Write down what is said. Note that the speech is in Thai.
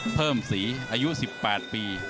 เพิ่มสีอายุ๑๘ปี